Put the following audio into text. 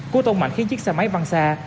cú tông mạnh khiến chiếc xe máy băng xa